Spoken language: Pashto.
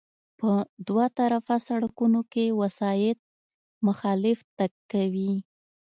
په دوه طرفه سړکونو کې وسایط مخالف تګ کوي